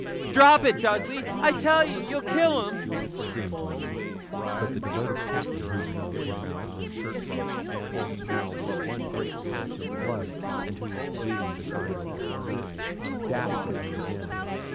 'Drop it, Dudley, I tell ye; you'll kill him,' screamed Milly. But the devoted Captain, whose nose, and mouth, and shirt front formed now but one great patch of blood, and who was bleeding beside over one eye, dashed at him again.